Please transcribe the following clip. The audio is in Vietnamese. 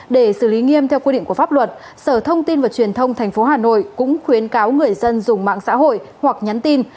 để xử lý nghiêm theo quy định của pháp luật sở thông tin và truyền thông tp hà nội cũng khuyến cáo người dân dùng mạng xã hội hoặc nhắn tin